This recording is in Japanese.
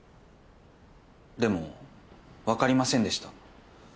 でも分かりませんでした。